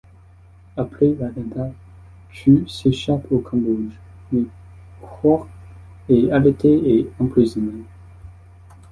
Après l'attentat, Cử s'échappe au Cambodge, mais Quốc est arrêté et emprisonné.